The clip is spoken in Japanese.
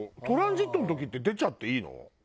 トランジットの時って出ちゃっていいの？